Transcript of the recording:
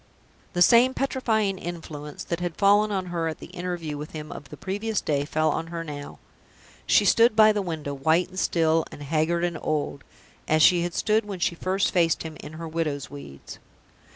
The same petrifying influence that had fallen on her at the interview with him of the previous day fell on her now. She stood by the window, white and still, and haggard and old as she had stood when she first faced him in her widow's weeds.